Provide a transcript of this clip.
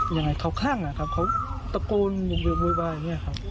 ยังไงเขาข้างอ่ะครับเขาตะโกนบุกบุกมวยบายอย่างเงี้ยครับ